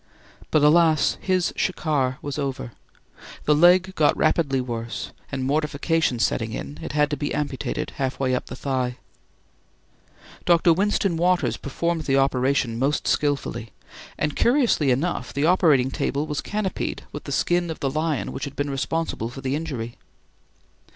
But alas, his shikar was over. The leg got rapidly worse, and mortification setting in, it had to be amputated half way up the thigh. Dr. Winston Waters performed the operation most skilfully, and curiously enough the operating table was canopied with the skin of the lion which had been responsible for the injury.